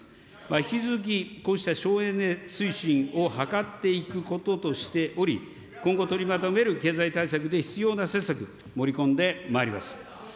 引き続きこうした省エネ推進を図っていくこととしており、今後取りまとめる経済対策で必要な施策、盛り込んでまいります。